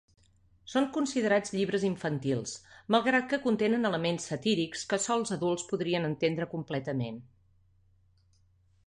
Són considerats llibres infantils, malgrat que contenen elements satírics que sols adults podrien entendre completament.